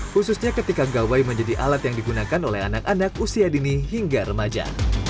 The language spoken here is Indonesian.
khususnya ketika gawai menjadi alat yang digunakan oleh anak anak usia dini hingga remaja